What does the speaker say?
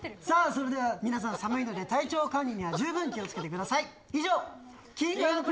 さあそれでは、皆さん寒いので、体調管理には十分気をつけてください。